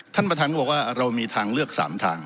ท่านประธานก็บอกว่าเรามีทางเลือก๓ทาง